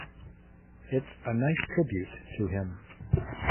It's a nice tribute to him.